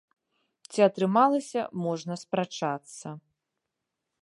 Ці атрымалася, можна спрачацца.